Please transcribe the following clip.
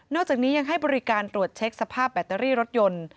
จากนี้ยังให้บริการตรวจเช็คสภาพแบตเตอรี่รถยนต์